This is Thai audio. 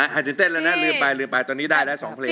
อาจจะเต้นแล้วนะลืมไปลืมไปตอนนี้ได้แล้ว๒เพลง